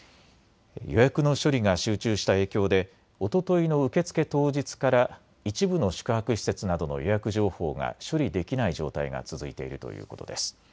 予約の処理が集中した影響でおとといの受け付け当日から一部の宿泊施設などの予約情報が処理できない状態が続いているということです。